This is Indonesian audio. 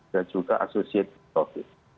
dan juga asosiat covid